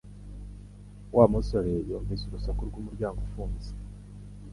Wa musore yumvise urusaku rw'umuryango ufunze